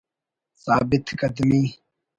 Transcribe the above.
ثابت قدمی